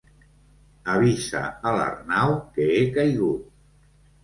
Avisa a l'Arnau que he caigut.